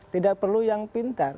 tidak perlu yang pintar